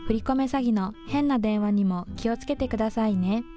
詐欺の変な電話にも気をつけてくださいね。